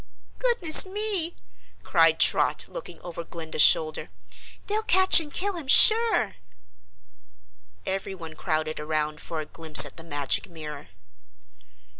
"Goodness me!" cried Trot, looking over Glinda's shoulder. "They'll catch and kill him sure." Everyone crowded around for a glimpse at the magic mirror.